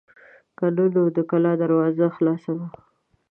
که نه نو د کلا دروازه خلاصه ده.